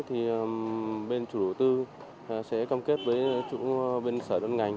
thì bên chủ đầu tư sẽ cam kết với chủ bên sở đơn ngành